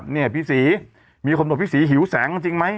เนี่ยพี่ศรีมีขนบพี่ศรีหิวแสงจริงไหม